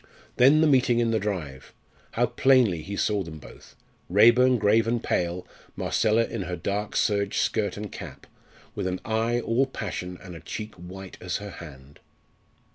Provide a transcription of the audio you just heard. Then the meeting in the drive! How plainly he saw them both Raeburn grave and pale, Marcella in her dark serge skirt and cap, with an eye all passion and a cheek white as her hand.